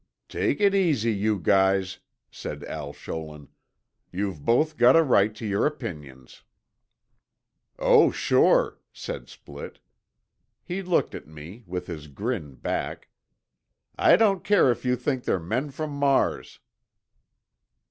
"Take it easy, you guys," said Al Scholin. "You've both got a right to your opinions." "Oh, sure," said Splitt. He looked at me, with his grin back. "I don't care if you think they're men from Mars."